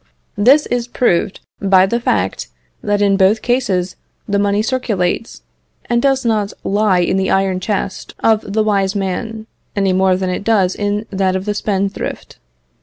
This is proved by the fact, that in both cases the money circulates, and does not lie in the iron chest of the wise man, any more than it does in that of the spendthrift.